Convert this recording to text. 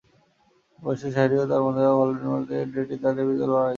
বইয়ের শেষে হ্যারি ও তার বন্ধুরা ভলডেমর্টের ডেথ ইটারদের বিরুদ্ধে লড়াই করে।